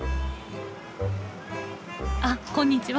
あっこんにちは。